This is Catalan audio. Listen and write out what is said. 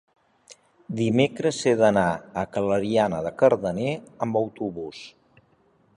dimecres he d'anar a Clariana de Cardener amb autobús.